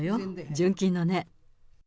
純金のね。